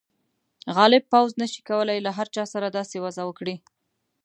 غالب پوځ نه شي کولای له هر چا سره داسې وضعه وکړي.